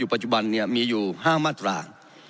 ปัจจุบันมีอยู่๕มาตรา